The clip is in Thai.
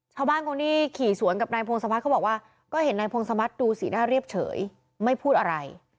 ชาวบ้านคนที่ขี่สวนกับนายพงศพัฒน์เขาบอกว่าก็เห็นนายพงศมัติดูสีหน้าเรียบเฉยไม่พูดอะไร